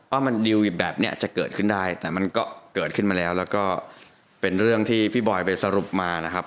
ว่ามันดิวแบบนี้จะเกิดขึ้นได้แต่มันก็เกิดขึ้นมาแล้วแล้วก็เป็นเรื่องที่พี่บอยไปสรุปมานะครับ